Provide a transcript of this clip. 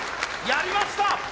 やりました！